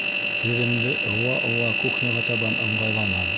Теҙемде ыуа-ыуа кухняға табан ыңғайланым.